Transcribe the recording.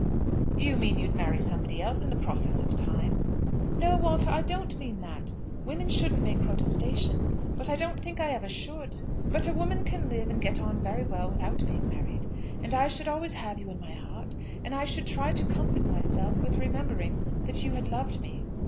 "You mean you'd marry somebody else in the process of time." "No, Walter; I don't mean that. Women shouldn't make protestations; but I don't think I ever should. But a woman can live and get on very well without being married, and I should always have you in my heart, and I should try to comfort myself with remembering that you had loved me."